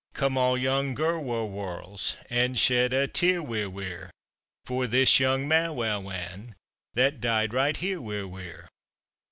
Come all young gir wi wirls And shed a tea we wear For this young ma wa wan That died right he we were.